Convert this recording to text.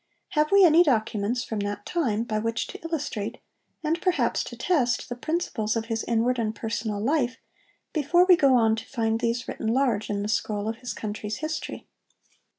Have we any documents from that time by which to illustrate, and perhaps to test, the principles of his inward and personal life, before we go on to find these written large in the scroll of his country's history?